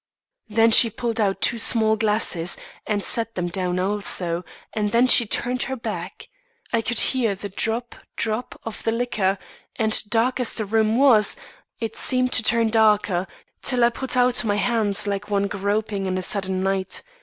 Then she pulled out two small glasses, and set them down also, and then she turned her back. I could hear the drop, drop of the liquor; and, dark as the room was, it seemed to turn darker, till I put out my hands like one groping in a sudden night.